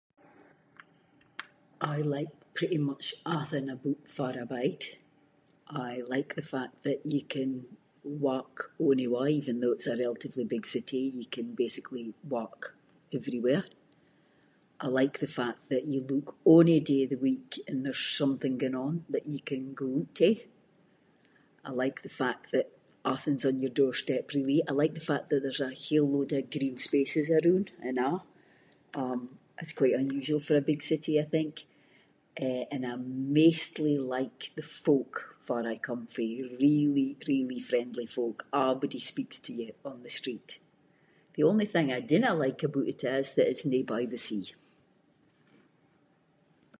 I like pretty much athing aboot farr I bide. I like the fact that you can walk onywaie, even though it’s a relatively big city, you can basically walk everywhere. I like the fact that you look ony day of the week and there’s something going on, that you can go oot to. I like the fact that athing’s on your doorstep really. I like the fact that there’s a whole load of green spaces aroond and a’, um, that’s quite unusual for a big city I think, eh, and I maistly like the folk farr I come fae, really really friendly folk, abody speaks to you on the street. The only thing I dinna like aboot it is, is that it’s no by the sea.